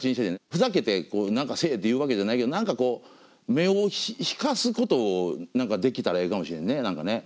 ふざけてこう何かせいって言うわけじゃないけど何かこう目を引かすことを何かできたらええかもしれんね。何かね。